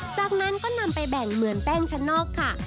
จากนั้นก็นำไปแบ่งเหมือนกับแป้งชั้นใน